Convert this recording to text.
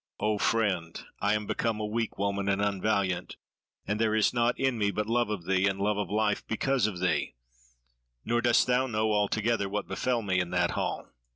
O friend, I am become a weak woman and unvaliant, and there is naught in me but love of thee, and love of life because of thee; nor dost thou know altogether what befell me in that hall."